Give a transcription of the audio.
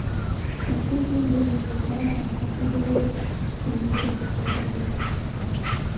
دا څوک نن د غولو له طرفه راپاڅېدلي چې یې دومره یادوي